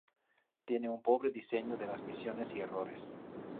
Tiene un pobre diseño de las misiones y errores.